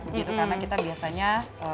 karena kita biasanya